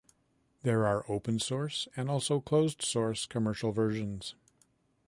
There are open-source and also closed-source commercial versions.